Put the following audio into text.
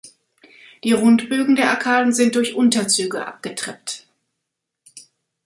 Die Rundbögen der Arkaden sind durch Unterzüge abgetreppt.